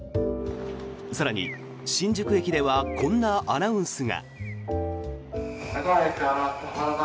更に、新宿駅ではこんなアナウンスが。